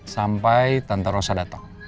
sampai tante rosa dateng